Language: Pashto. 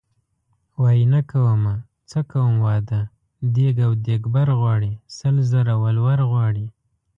وايي نه کومه څه کوم واده دیګ او دیګبر غواړي سل زره ولور غواړي .